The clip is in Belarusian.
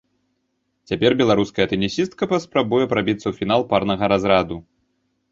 Цяпер беларуская тэнісістка паспрабуе прабіцца ў фінал парнага разраду.